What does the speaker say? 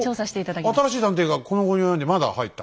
おっ新しい探偵がこの期に及んでまだ入った？